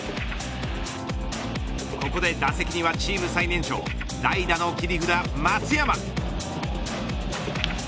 ここで打席にはチーム最年長代打の切り札、松山。